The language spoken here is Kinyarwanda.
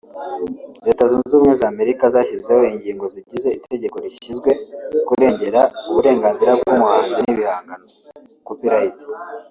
Leta zunze ubumwe za Amerika zashyizeho ingingo zigize itegeko rishyinzwe kurengera uburenganzira bw’umuhanzi n’ibihangano (copyright)